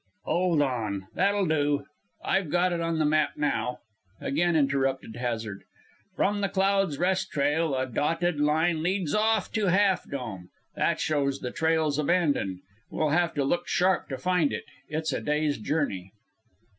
'" "Hold on; that'll do! I've got it on the map now," again interrupted Hazard. "From the Cloud's Rest trail a dotted line leads off to Half Dome. That shows the trail's abandoned. We'll have to look sharp to find it. It's a day's journey."